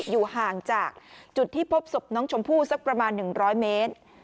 อยู่ห่างจากจุดที่พบศพน้องชมพู่สักประมาณ๑๐๐เมตร